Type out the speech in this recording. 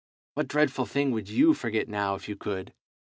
What dreadful thing would you forget now, if you could?